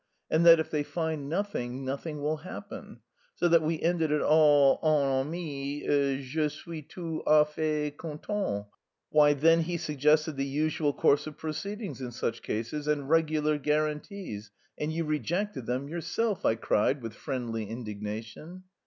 and that if they find nothing, nothing will happen. So that we ended it all en amis, je suis tout à fait content." "Why, then he suggested the usual course of proceedings in such cases and regular guarantees, and you rejected them yourself," I cried with friendly indignation.